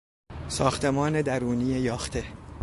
ساختمان درونی یاخته